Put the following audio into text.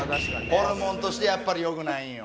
ホルモンとしてやっぱり良くないんよ。